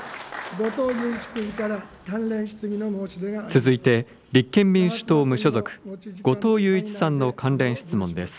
続いて立憲民主党・無所属、後藤祐一さんの関連質問です。